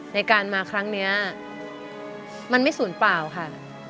ในการมาครั้งนี้มันไม่สูญเปล่าค่ะ